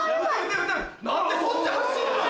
何でそっち走んのよ！